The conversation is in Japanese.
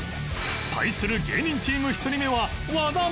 対する芸人チーム１人目は